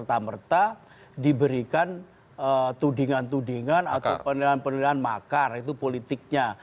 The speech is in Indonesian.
serta merta diberikan tudingan tudingan atau penilaian penilaian makar itu politiknya